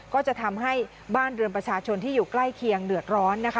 ก็จะทำให้บ้านเรือนประชาชนที่อยู่ใกล้เคียงเดือดร้อนนะคะ